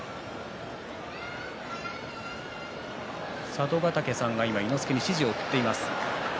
佐渡ヶ嶽さんが今、伊之助に指示を送っています。